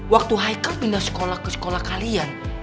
waktu haicle pindah sekolah ke sekolah kalian